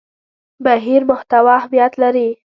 بهیر محتوا اهمیت لري.